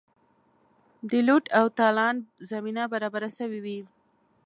د لوټ او تالان زمینه برابره سوې وي.